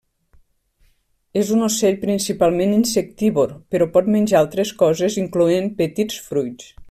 És un ocell principalment insectívor però pot menjar altres coses incloents petits fruits.